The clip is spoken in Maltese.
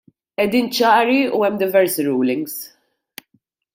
Qegħdin ċari u hemm diversi rulings.